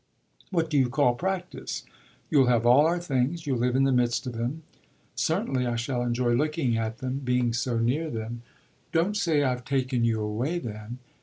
"What do you call practice? You'll have all our things you'll live in the midst of them." "Certainly I shall enjoy looking at them, being so near them." "Don't say I've taken you away then."